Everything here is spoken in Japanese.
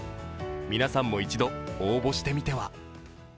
皆さんも一度応募してみては。